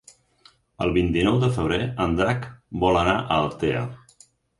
El vint-i-nou de febrer en Drac vol anar a Altea.